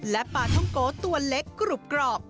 และปลาท่องโกะตัวเล็กกรุบกรอบ